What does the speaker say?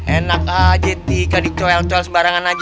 enak aja tika dicoyol coyol sebarangan aja